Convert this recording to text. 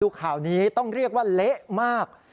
ข่าวนี้ต้องเรียกว่าเละมาก